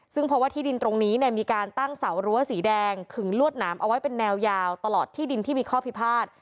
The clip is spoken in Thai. ซึ่งเพราะว่าที่ดินตรงนี้เนี่ยมีการตั้งเสารั้วสีแดงขึงลวดหนามเอาไว้เป็นแนวยาวตลอดที่ดินที่มีข้อพิพาท